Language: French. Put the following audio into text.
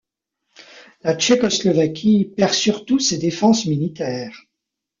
La Tchécoslovaquie perd surtout ses défenses militaires.